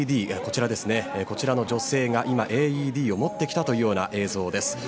こちらの女性がＡＥＤを持ってきたというような映像です。